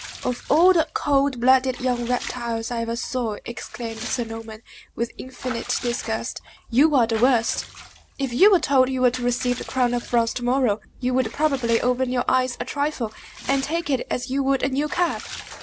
"Of all the cold blooded young reptiles I ever saw," exclaimed Sir Norman, with infinite disgust, "you are the worst! If you were told you were to receive the crown of France to morrow, you would probably open your eyes a trifle, and take it as you would a new cap!"